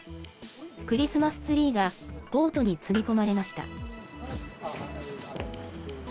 クリスマスツリーがボートに積み込まれました。